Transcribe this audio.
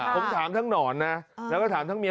ผมถามทั้งหนอนนะแล้วก็ถามทั้งเมีย